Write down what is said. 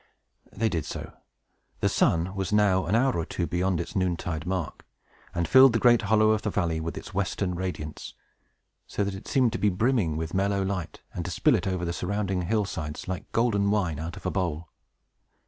They did so. The sun was now an hour or two beyond its noontide mark, and filled the great hollow of the valley with its western radiance, so that it seemed to be brimming with mellow light, and to spill it over the surrounding hill sides, like golden wine out of a bowl.